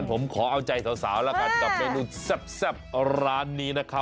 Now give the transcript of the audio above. ผมขอเอาใจเถากับเมนูแซ่บร้านนี้